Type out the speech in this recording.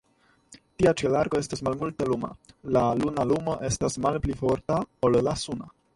Tia ĉielarko estas malmulte luma, la luna lumo estas malpli forta ol la suna.